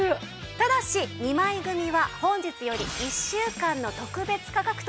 ただし２枚組は本日より１週間の特別価格となっています。